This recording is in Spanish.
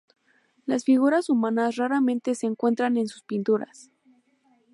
Las figuras humanas raramente se encuentran en sus pinturas.